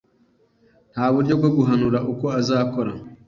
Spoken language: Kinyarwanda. Nta buryo bwo guhanura uko azakora?